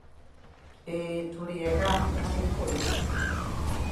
It suggested that a line be built from Kelso on the Tapanui Branch.